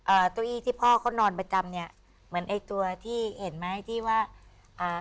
เก้าอี้ที่พ่อเขานอนประจำเนี้ยเหมือนไอ้ตัวที่เห็นไหมที่ว่าอ่า